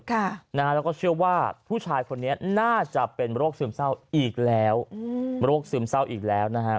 แล้วก็เชื่อว่าผู้ชายคนนี้น่าจะเป็นโรคซึมเศร้าอีกแล้ว